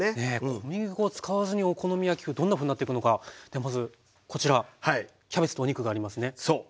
小麦粉を使わずにお好み焼き風どんなふうになっていくのかまずこちらキャベツとお肉がありますね。